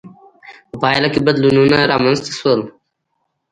په پایله کې بدلونونه رامنځته شول.